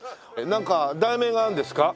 なんか題名があるんですか？